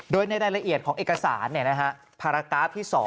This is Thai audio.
โดยในรายละเอียดของเอกสารภารกราฟที่๒